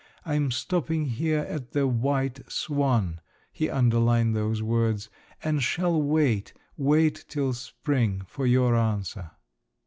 I am stopping here at the White Swan (he underlined those words) and shall wait, wait till spring, for your answer."